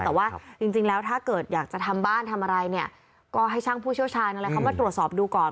แต่ว่าจริงแล้วถ้าเกิดอยากจะทำบ้านทำอะไรเนี่ยก็ให้ช่างผู้เชี่ยวชาญอะไรเขามาตรวจสอบดูก่อน